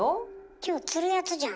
今日釣るやつじゃん